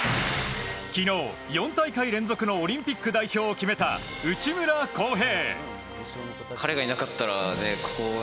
昨日、４大会連続のオリンピック代表を決めた内村航平。